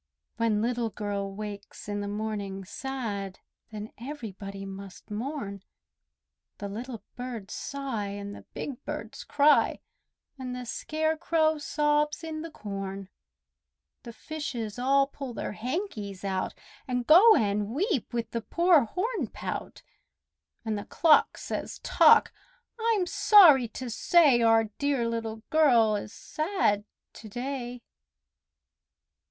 When Little Girl wakes in the morning sad, Then everybody must mourn; The little birds sigh, and the big birds cry, And the scarecrow sobs in the corn. The fishes all pull their hankies out, And go and weep with the poor hornpout, And the clock says, "Tock! I'm sorry to say Our dear Little Girl is sad to day!"